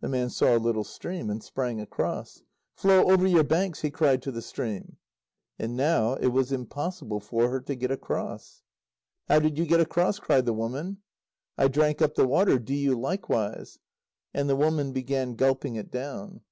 The man saw a little stream, and sprang across. "Flow over your banks!" he cried to the stream. And now it was impossible for her to get across. "How did you get across?" cried the woman. "I drank up the water. Do you likewise." And the woman began gulping it down.